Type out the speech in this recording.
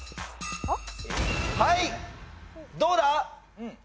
はいどうだ？